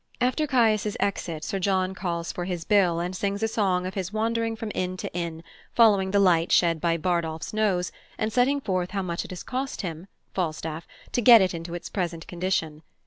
After Caius's exit, Sir John calls for his bill and sings a song of his wandering from inn to inn, following the light shed by Bardolph's nose, and setting forth how much it has cost him (Falstaff) to get it into its present condition.